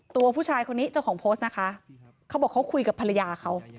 ตัวผู้ชายคนนี้เจ้าของโพสต์นะคะเขาบอกเขาคุยกับภรรยาเขา